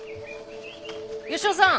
吉雄さん。